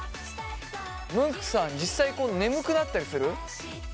ムンクさん実際眠くなったりする？